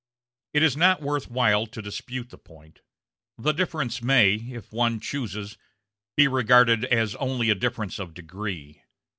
It is not worth while to dispute the point; the difference may, if one chooses, be regarded as only a difference of degree.